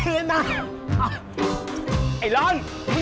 หรือใครกำลังร้อนเงิน